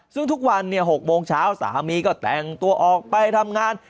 ซึ่งทุกวัน๖โมงเช้าสามีก็แต่งตัวออกไปทำงาน